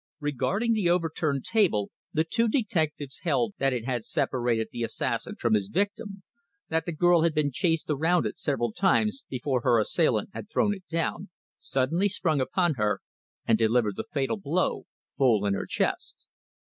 Regarding the overturned table the two detectives held that it had separated the assassin from his victim; that the girl had been chased around it several times before her assailant had thrown it down, suddenly sprung upon her, and delivered the fatal blow, full in her chest.